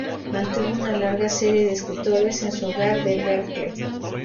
Mantuvo una larga serie de escritores en su hogar de Berkley.